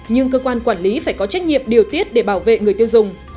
nhưng cơ quan quản lý phải có trách nhiệm điều tiết để bảo vệ người tiêu dùng